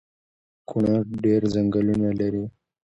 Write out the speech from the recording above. کونړ ډیر ځنګلونه لري